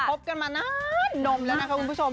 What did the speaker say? บกันมานานนมแล้วนะคะคุณผู้ชม